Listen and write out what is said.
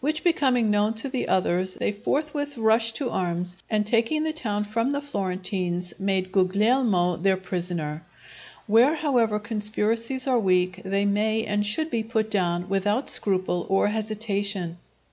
Which becoming known to the others, they forthwith rushed to arms, and taking the town from the Florentines, made Guglielmo their prisoner. Where, however, conspiracies are weak, they may and should be put down without scruple or hesitation.